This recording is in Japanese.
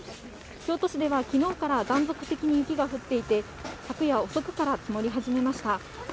京都市では昨日から断続的に雪が降っていて、昨夜遅くから積もり始めました。